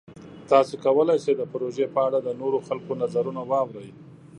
تاسو کولی شئ د پروژې په اړه د نورو خلکو نظرونه واورئ.